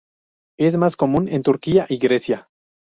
Es más común en Turquía y Grecia.